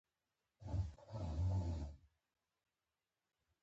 نظام د پرمختللو زده کړو له پاره وسائل او شرایط برابروي.